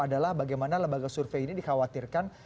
adalah bagaimana lembaga survei ini dikhawatirkan